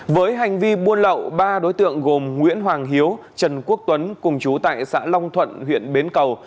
với hành vi buôn lậu ba đối tượng gồm nguyễn hoàng hiếu trần quốc tuấn cùng chú tại xã long thuận huyện bến cầu